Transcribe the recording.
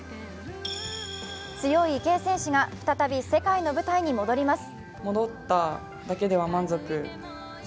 強い池江選手が再び世界の舞台に戻ります。